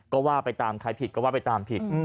ก็ว่าไปตามใครผิดก็ว่าไปตามผิด